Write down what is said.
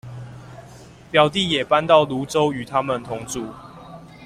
表弟也搬到蘆洲與他們同住